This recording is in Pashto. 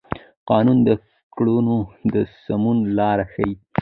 قانون د کړنو د سمون لار ښيي.